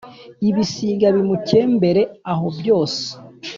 Ibisiga bimukembere aho byose